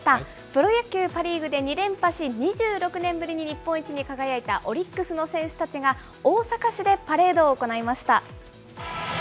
プロ野球パ・リーグで２連覇し、２６年ぶりに日本一に輝いたオリックスの選手たちが、大阪市でパレードを行いました。